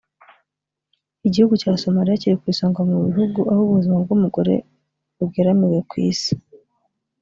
Igihugu cya Somalia kiri ku isonga mu bihugu aho ubuzima bw’umugore bugeramiwe ku isi